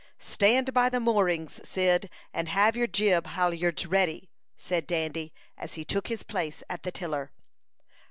"Stand by the moorings, Cyd, and have your jib halyards ready!" said Dandy, as he took his place at the tiller.